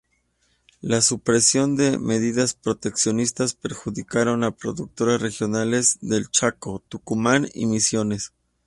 La supresión de medidas proteccionistas perjudicaron a productores regionales del Chaco, Tucumán y Misiones.